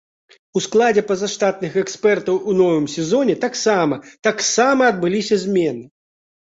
У складзе пазаштатных экспертаў у новым сезоне таксама таксама адбыліся змены.